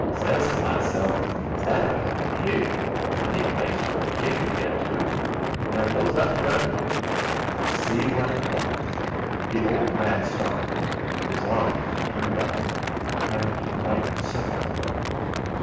I says to meself: 'Is that a pig funny place for a pig to get to!' an' I goes up to et, an' I see what 'twas." The old man stopped; his eyes, turned upward, had a bright, suffering look.